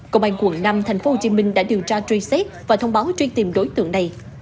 công an quận năm tp hcm đã điều tra truy xét và thông báo truy tìm đối tượng này